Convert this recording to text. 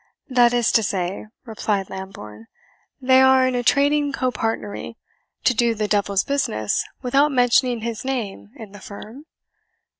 "That is to say," replied Lambourne, "they are in a trading copartnery, to do the devil's business without mentioning his name in the firm?